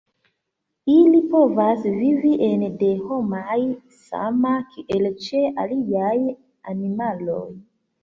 Ili povas vivi ene de homoj same kiel ĉe aliaj animaloj.